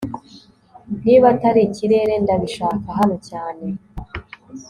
niba atari ikirere, ndabishaka hano cyane